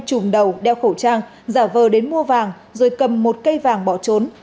chùm đầu đeo khẩu trang giả vờ đến mua vàng rồi cầm một cây vàng bỏ trốn